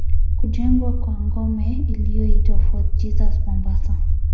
Kujengwa kwa ngome iliyoitwa Fort Jesus Mombasa